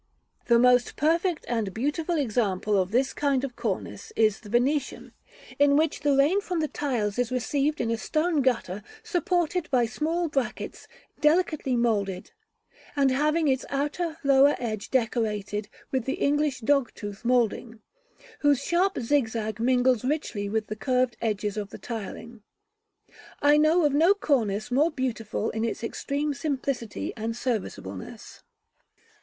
The most perfect and beautiful example of this kind of cornice is the Venetian, in which the rain from the tiles is received in a stone gutter supported by small brackets, delicately moulded, and having its outer lower edge decorated with the English dogtooth moulding, whose sharp zigzag mingles richly with the curved edges of the tiling. I know no cornice more beautiful in its extreme simplicity and serviceableness.